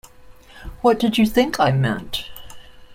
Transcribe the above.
What did you think I meant?